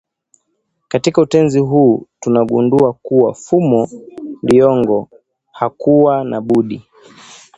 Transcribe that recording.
Katika utenzi huu tunagundua kuwa Fumo Liyongo hakuwa na budi